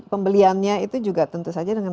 pembeliannya itu juga tentu saja dengan